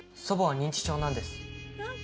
祖母は認知症なんです。